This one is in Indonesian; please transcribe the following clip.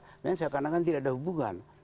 sebenarnya seakan akan tidak ada hubungan